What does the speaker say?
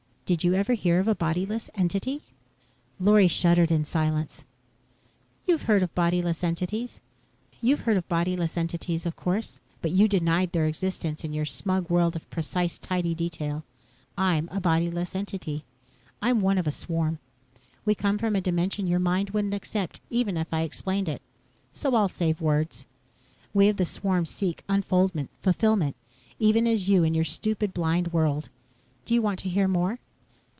Did you ever hear of a bodyless entity?" Lorry shuddered in silence. "You've heard of bodyless entities, of course but you denied their existence in your smug world of precise tidy detail. I'm a bodyless entity. I'm one of a swarm. We come from a dimension your mind wouldn't accept even if I explained it, so I'll save words. We of the swarm seek unfoldment fulfillment even as you in your stupid, blind world. Do you want to hear more?"